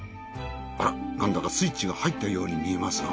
あらなんだかスイッチが入ったように見えますが。